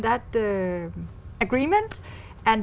và việt nam